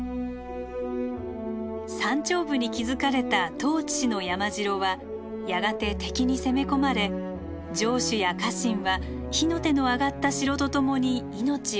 山頂部に築かれた十市氏の山城はやがて敵に攻め込まれ城主や家臣は火の手のあがった城とともに命を落とします。